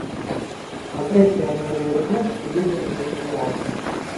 На трэці агнявы рубеж лідэры прыйшлі разам.